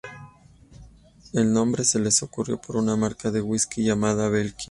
El nombre se les ocurrió por una marca de whisky llamada Belkin.